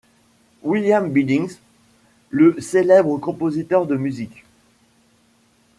William Billings, le célèbre compositeur de musique.